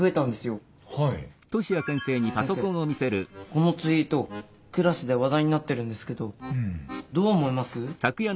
このツイートクラスで話題になってるんですけどどう思います？